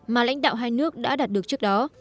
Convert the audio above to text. mà lãnh đạo hai nước đã đạt được trước đó